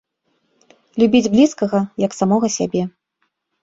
Любіць блізкага, як самога сябе.